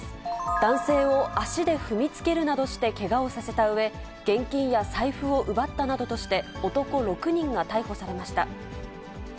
男性を足で踏みつけるなどしてけがをさせたうえ、現金や財布を奪ったなどとして、男６人が逮捕されました。